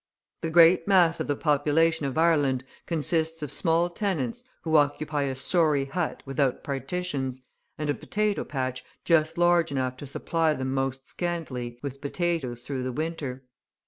The great mass of the population of Ireland consists of small tenants who occupy a sorry hut without partitions, and a potato patch just large enough to supply them most scantily with potatoes through the winter.